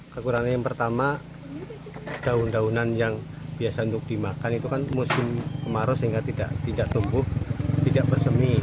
kekurangan yang pertama daun daunan yang biasa untuk dimakan itu kan musim kemarau sehingga tidak tumbuh tidak bersemi